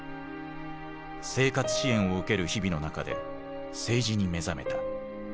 生活支援を受ける日々の中で政治に目覚めた。